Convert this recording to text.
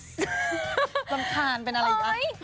สำคัญเป็นอะไรอีกอัน